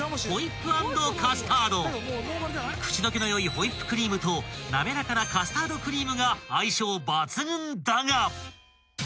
［口どけの良いホイップクリームと滑らかなカスタードクリームが相性抜群だが］